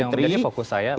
yang menjadi fokus saya baik